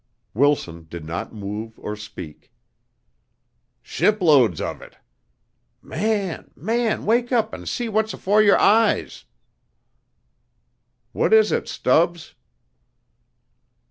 Wilson did not move or speak. "Shiploads of it. Man! Man! wake up an' see what's afore yer eyes!" "What is it, Stubbs?"